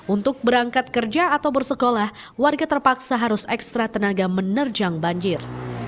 untuk berangkat kerja atau bersekolah warga terpaksa harus ekstra tenaga menerjang banjir